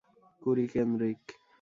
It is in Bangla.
কুঁড়ি কেন্দ্রিক।